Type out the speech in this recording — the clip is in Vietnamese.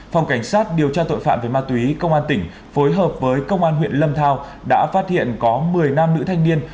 phòng cảnh sát điều tra tội phạm về ma túy công an tỉnh phối hợp với công an huyện lâm thao đã phát hiện có một mươi nam nữ thanh niên